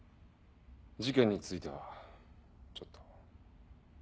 事件についてはちょっと。